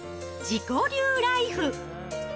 自己流ライフ。